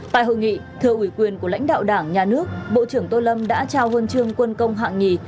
tại hội nghị thưa ủy quyền của lãnh đạo đảng nhà nước bộ trưởng tô lâm đã trao huân chương quân công hạng nhì